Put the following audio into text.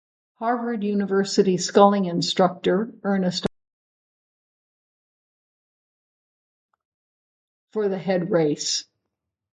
Harvard University sculling instructor Ernest Arlett provided the idea for the head race.